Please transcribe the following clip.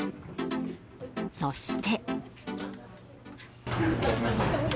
そして。